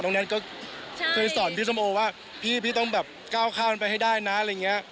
แน็ตก็เคยสอนพี่สมโอว่าพี่ต้องแบบก้าวข้ามไปให้ได้นะอะไรอย่างนี้